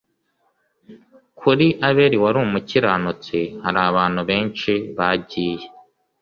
kuri Abeli wari umukiranutsi hari abantu benshi bagiye